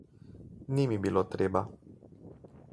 Ni mi bilo treba.